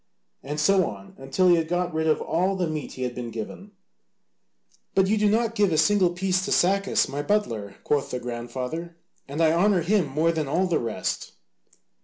And so on until he had got rid of all the meat he had been given. "But you do not give a single piece to Sacas, my butler," quoth the grandfather, "and I honour him more than all the rest."